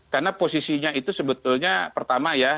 karena posisinya itu sebetulnya pertama ya